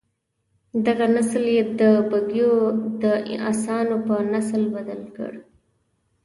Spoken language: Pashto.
دغه نسل یې د بګیو د اسانو په نسل بدل کړ.